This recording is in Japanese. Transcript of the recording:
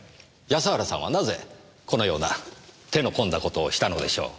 安原さんはなぜこのような手の込んだことをしたのでしょう。